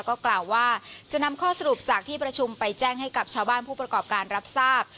ก็กล่าวว่าจะนำข้อสรุปจากที่ประชุมไปแจ้งให้กับชาวบ้านผู้ประกอบการรับทราบ